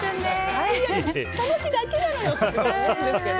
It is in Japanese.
最悪、その日だけなのよって思うんですけど。